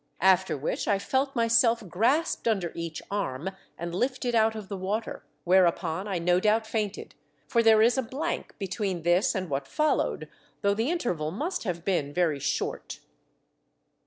After which I felt myself grasped under each arm and lifted out of the water, whereupon I no doubt fainted, for there is a blank between this and what followed, though the interval m.ust have been very short.